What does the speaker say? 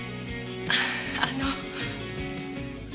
ああの。